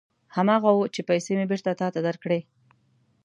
هماغه و چې پېسې مې بېرته تا ته درکړې.